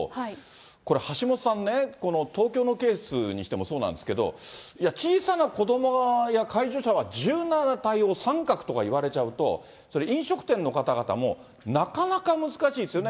これ、橋下さんね、東京のケースにしてもそうなんですけど、いや、小さな子どもや介助者は柔軟な対応、△とか言われちゃうと、それ、飲食店の方々もなかなか難しいですよね。